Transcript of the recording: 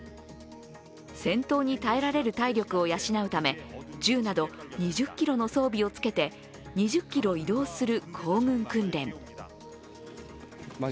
戦闘に耐えられる体力を養うため、銃など２０ｋｇの装備をつけて２０ｋｍ移動する行軍訓練。